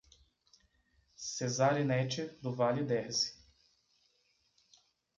Cezarinete do Vale Derze